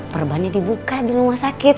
perbannya dibuka di rumah sakit